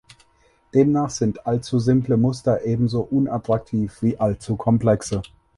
Demnach sind allzu simple Muster ebenso unattraktiv wie allzu komplexe.